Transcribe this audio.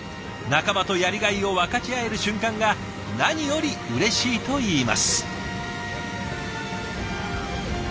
仲間とやりがいを分かち合える瞬間が何よりうれしいといいます。